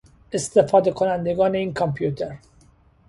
استفادهکنندگان این کامپیوتر